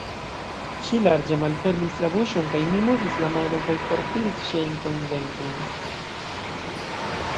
Ŝi larĝe malfermis la buŝon, kaj mi metis la manon kaj fortiris ŝiajn kojndentojn.